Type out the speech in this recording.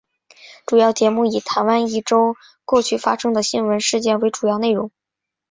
节目主要以台湾一周过去发生的新闻事件为主要内容。